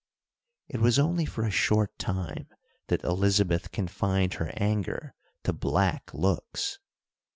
It was only for a short time that Elizabeth confined her anger to black looks.